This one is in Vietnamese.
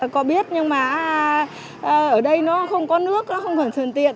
có biết nhưng mà ở đây nó không có nước nó không còn thường tiện